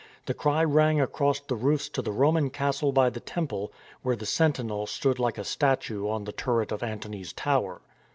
The cry rang across the roofs to the Roman Castle by the Temple, where the sentinel stood like a statue on the turret of Antony's tower.